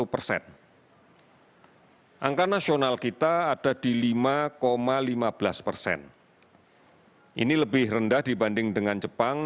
satu persen angka nasional kita ada di lima lima belas persen ini lebih rendah dibanding dengan jepang